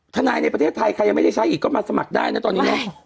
ในประเทศไทยใครยังไม่ได้ใช้อีกก็มาสมัครได้นะตอนนี้เนอะ